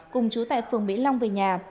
cùng chú tại phường mỹ long về nhà